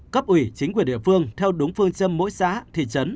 cấp ủy chính quyền địa phương theo đúng phương châm mỗi xã thị trấn